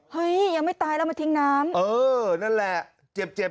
ยังไม่ตายแล้วมาทิ้งน้ำเออนั่นแหละเจ็บเจ็บ